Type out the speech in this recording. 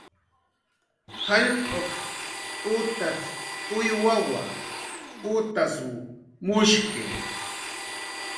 "Jallq'uq utat"" uywawa, utasw mushki."